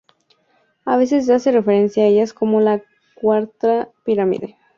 A veces se hace referencia a ella como la "Cuarta Pirámide".